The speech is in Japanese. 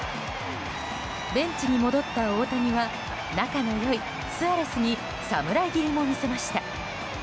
ベンチに戻った大谷は仲の良いスアレスに侍斬りも見せました。